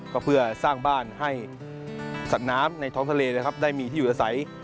ก็เพื่อสร้างบ้านให้สัตว์น้ำในท้องทะเลนะครับได้มีที่อยู่อาศัย